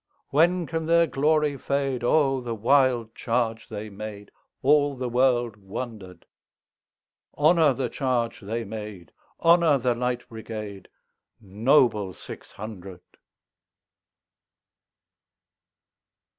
When can their glory fade?O the wild charge they made! All the world wonder'd. Honor the charge they made! Honor the Light Brigade, Noble six hundred!